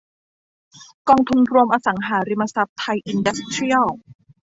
กองทุนรวมอสังหาริมทรัพย์ไทยอินดัสเตรียล